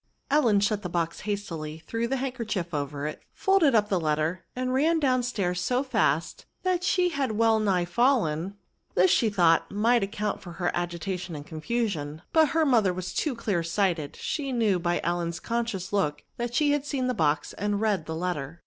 Ellen shut the box hastily, threw the handkerchief over it, folded up the letter, and ran down stairs so fast that she had well nigh fallen; this, she thought, might account for her agitation and confusion ; but her mother was too clear sighted ; she knew by Ellen's conscious look that she had seen the box and read the letter.